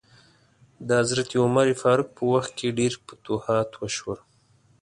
د حضرت عمر فاروق په وخت کې ډیر فتوحات وشول.